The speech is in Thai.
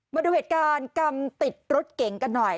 มาดูเหตุการณ์กรรมติดรถเก๋งกันหน่อย